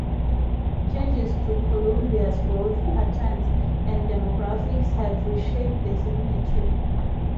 Changes to Columbus growth patterns, and demographics have reshaped the cemetery.